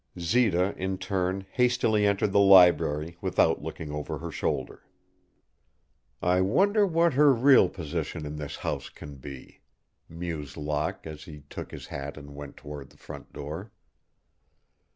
Zita in turn hastily entered the library, without looking over her shoulder. "I wonder what her real position in this house can be," mused Locke, as he took his hat and went toward the front door.